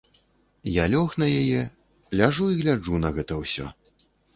Я лёг на яе, ляжу і гляджу на гэта ўсё.